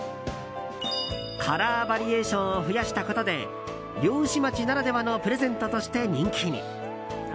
カラーバリエーションを増やしたことで漁師町ならではのプレゼントとして人気に。